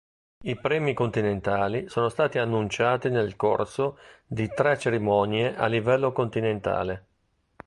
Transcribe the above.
I premi continentali sono stati annunciati nel corso di tre cerimonie a livello continentale.